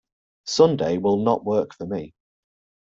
Sunday will not work for me.